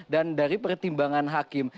dan dari pertimbangan hakim